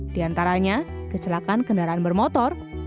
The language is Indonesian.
diantaranya kecelakaan kendaraan bermotor